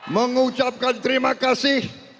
mengucapkan terima kasih